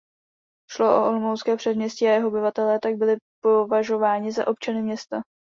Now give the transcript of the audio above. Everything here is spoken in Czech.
Šlo o olomoucké předměstí a jeho obyvatelé tak byli považováni za občany města.